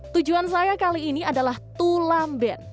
tujuan saya kali ini adalah tulam ben